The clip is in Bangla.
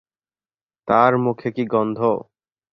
তার মুখে কি গন্ধ?